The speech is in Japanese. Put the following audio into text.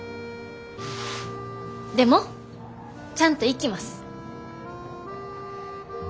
でもちゃんと行きます。